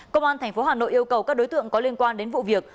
công an thành phố hà nội yêu cầu các đối tượng có liên quan đến vụ việc